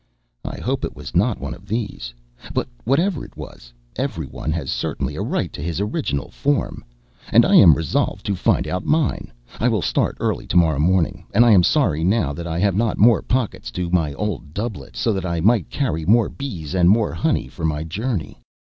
I hope it was not one of these. But, whatever it was, every one has certainly a right to his original form, and I am resolved to find out mine. I will start early to morrow morning, and I am sorry now that I have not more pockets to my old doublet, so that I might carry more bees and more honey for my journey."